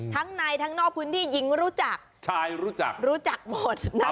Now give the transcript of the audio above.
ทั้งในทั้งนอกพื้นที่หญิงรู้จักชายรู้จักรู้จักหมดนะคะ